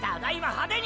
派手に！！